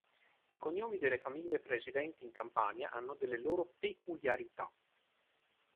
I cognomi delle famiglie residenti in Campania hanno delle loro peculiarità.